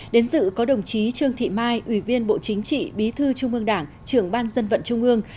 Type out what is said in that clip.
đến dự có đồng chí trương thị mai ủy viên bộ chính trị bí thư trung ương đảng trưởng ban dân vận trung ương